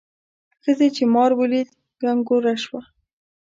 ښځې چې مار ولید کنګوره شوه.